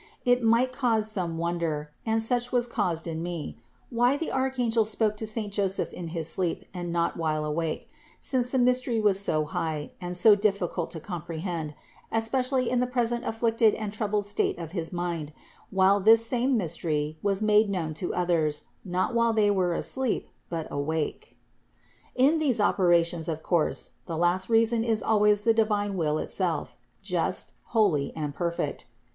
It might cause some wonder, (and such was caused in me), why the archangel spoke to saint Joseph in his sleep and not while awake; since the mystery was so high, and so difficult to comprehend, especially in the present afflicted and troubled state of his mind; while this same mystery was made known to others, not while they were asleep, but awake. 400. In these operations of course, the last reason is always the divine will itself, just, holy and perfect.